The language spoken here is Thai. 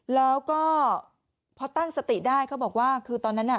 แล้วก็พอตั้งสติได้เขาบอกว่าคือตอนนั้นน่ะ